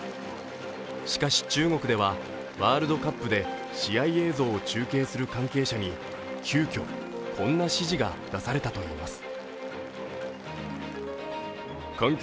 しかし中国ではワールドカップで試合映像を中継する関係者に急きょ、こんな指示が出されたといいます。